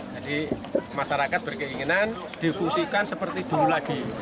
jadi masyarakat berkeinginan difungsikan seperti dulu lagi